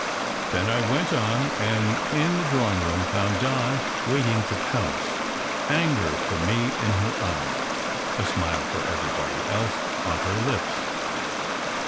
Then I went on, and in the drawing room found Di waiting to pounce, anger for me in her eyes, a smile for everybody else on her lips.